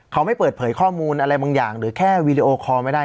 เขาไม่เปิดเผยข้อมูลอะไรบางอย่างหรือแค่วีดีโอคอลไม่ได้